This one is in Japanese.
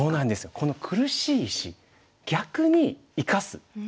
この苦しい石逆に生かす。